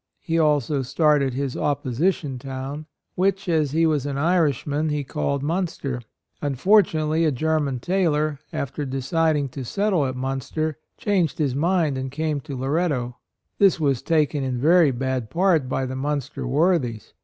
He also started his opposition town, which, as he was an Irishman, he called AND MOTHER. 97 Minister. Unfortunately, a Ger man tailor, after deciding to settle at Minister, changed his mind and came to Loretto. This was taken in very bad part by the Munster worthies.